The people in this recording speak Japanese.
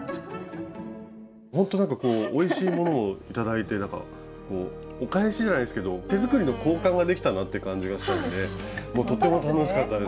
ほんとなんかおいしいものを頂いてなんかお返しじゃないですけど手作りの交換ができたなという感じがしたのでとても楽しかったです。